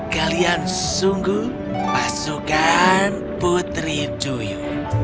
kalian sungguh pasukan putri duyu